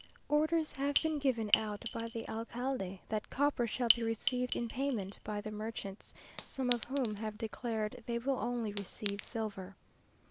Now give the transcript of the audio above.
Orders have been given out by the alcalde, that copper shall be received in payment by the merchants, some of whom have declared they will only receive silver.